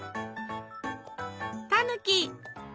「タヌキ」。